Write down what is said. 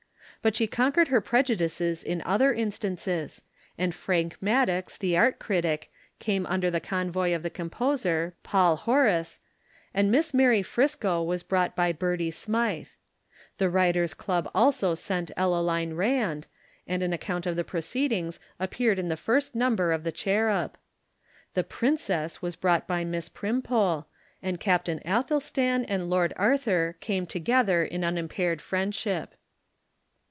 But she conquered her prejudices in other instances, and Frank Maddox, the art critic, came under the convoy of the composer, Paul Horace, and Miss Mary Friscoe was brought by Bertie Smythe. The Writers' Club also sent Ellaline Rand, and an account of the proceedings appeared in the first number of the Cherub. The "Princess" was brought by Miss Primpole, and Captain Athelstan and Lord Arthur came together in unimpaired friendship.